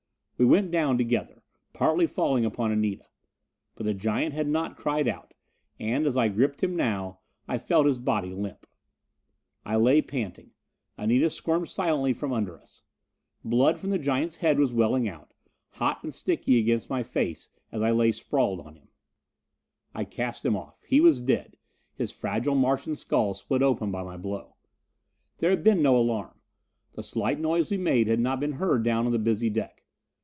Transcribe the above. We went down together, falling partly upon Anita. But the giant had not cried out, and as I gripped him now, I felt his body limp. I lay panting. Anita squirmed silently from under us. Blood from the giant's head was welling out, hot and sticky against my face as I lay sprawled on him. I cast him off. He was dead, his fragile Martian skull split open by my blow. There had been no alarm. The slight noise we made had not been heard down on the busy deck.